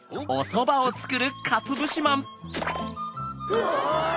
うわ！